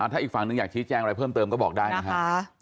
ถ้าอีกฝั่งหนึ่งอยากชี้แจงอะไรเพิ่มเติมก็บอกได้นะครับ